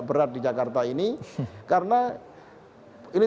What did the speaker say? berat di jakarta ini karena ini